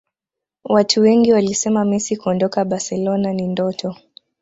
Watu wengi walisema Messi kuondoka Barcelona ni ndoto